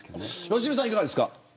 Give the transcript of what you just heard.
良純さんは、いかがですか。